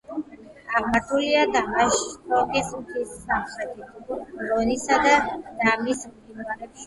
აღმართულია დამაშტოკის მთის სამხრეთით, რონისა და დამის მყინვარებს შორის.